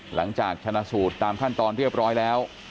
หลังจากชนะสูตรตามขั้นตอนเรียบร้อยแล้ว